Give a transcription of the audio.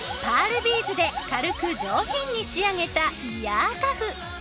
パールビーズで軽く上品に仕上げたイヤーカフ。